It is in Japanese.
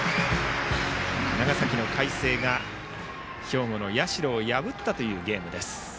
長崎の海星が兵庫の社を破ったというゲームです。